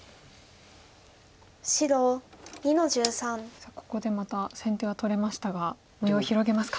さあここでまた先手は取れましたが模様広げますか。